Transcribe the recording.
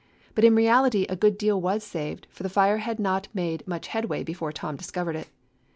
But in reality a good deal was saved, for the fire had not made much headway before Tom discovered it.